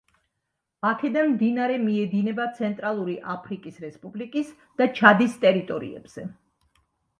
აქედან მდინარე მიედინება ცენტრალური აფრიკის რესპუბლიკის და ჩადის ტერიტორიებზე.